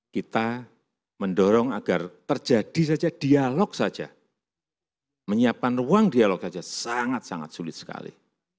kita mendorong agar terjadi saja dialog saja menyiapkan ruang dialog saja sangat sangat sulit sekali